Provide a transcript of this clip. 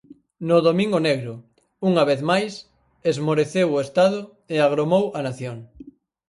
No domingo negro, unha vez máis, esmoreceu o Estado e agromou a nación.